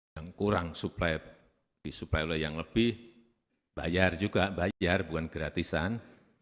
yang kurang suplai disuplai oleh yang lebih bayar juga bayar bukan gratisan